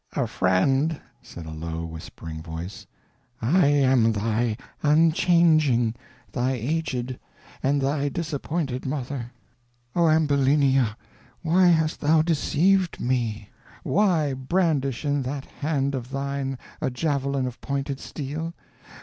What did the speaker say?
"A friend," said a low, whispering voice. "I am thy unchanging, thy aged, and thy disappointed mother. Why brandish in that hand of thine a javelin of pointed steel?